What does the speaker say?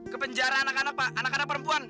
ke penjara anak anak pak anak anak perempuan